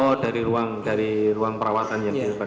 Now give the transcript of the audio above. oh dari ruang perawatan